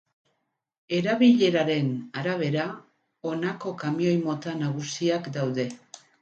Erabileraren arabera, honako kamioi mota nagusiak daude.